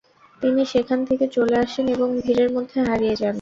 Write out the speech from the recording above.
তিনি সেখান থেকে চলে আসেন এবং ভীড়ের মধ্যে হারিয়ে যান।